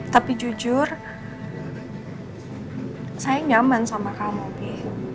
tapi jujur saya nyaman sama kamu pi